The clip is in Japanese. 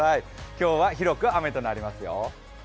今日は広く雨となりますよ。